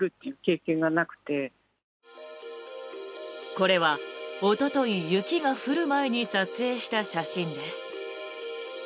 これは、おととい雪が降る前に撮影した写真です。